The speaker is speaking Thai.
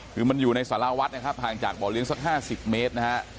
คือมันอยู่ในสาราวัดนะครับห่างจากบ่อเลี้ยสัก๕๐เมตรนะฮะ